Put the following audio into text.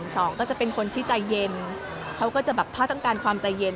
สองก็จะเป็นคนที่ใจเย็นเขาก็จะแบบถ้าต้องการความใจเย็น